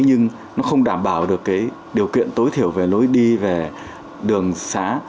nhưng nó không đảm bảo được cái điều kiện tối thiểu về lối đi về đường xá